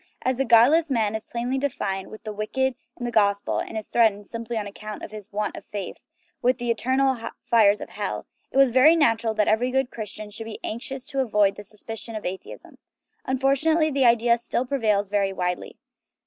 As the " godless " man is plainly identified with the " wicked " in the Gospel, and is threatened simply on account of his "want of faith" with the eternal fires of hell, it was very natural that every good Christian should be anxious to avoid the suspicion of atheism. Unfortu nately, the idea still prevails very widely.